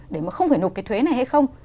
để mà không phải nộp cái thuế này hay không